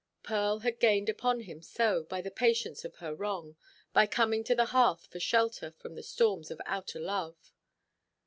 Pearl had gained upon him so, by the patience of her wrong, by coming to the hearth for shelter from the storms of outer love.